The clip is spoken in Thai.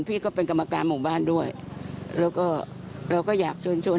พี่ก็เป็นกรรมการหมู่บ้านด้วยแล้วก็เราก็อยากเชิญชวน